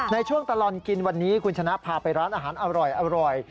ในช่วงตลอดกินวันนี้คุณชนะพาไปร้านอาหารอร่อย